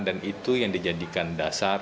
dan itu yang dijadikan dasar